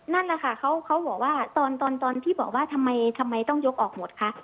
นั่นแหละค่ะเขาบอกว่าตอนที่บอกว่าทำไมต้องยกออกหมดคะ